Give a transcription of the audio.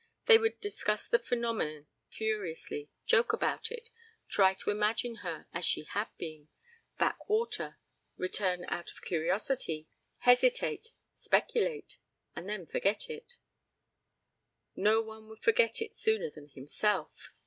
They would discuss the phenomenon furiously, joke about it, try to imagine her as she had been, back water, return out of curiosity, hesitate, speculate and then forget it. No one would forget it sooner than himself.